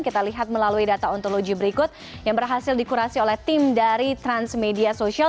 kita lihat melalui data ontologi berikut yang berhasil dikurasi oleh tim dari transmedia social